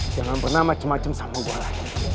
jangan pernah macam macam sama gue lagi